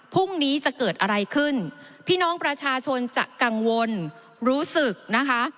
พรุ่งนี้จะเกิดอะไรขึ้นพี่น้องประชาชนจะกังวลรู้สึกนะคะ